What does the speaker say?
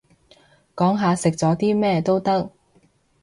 講下食咗啲咩都得